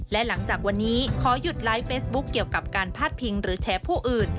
และหลังจากวันนี้ขอหยุดไลฟ์เฟซบุ๊คเกี่ยวกับการพาดพิงหรือแชร์ผู้อื่น